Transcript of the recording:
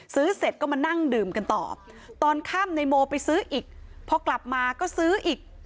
ซื้อเสร็จก็มานั่งดื่มกันต่อตอนค่ำในโมไปซื้ออีกพอกลับมาก็ซื้ออีก